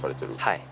はい。